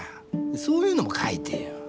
そういうのも書いてよ。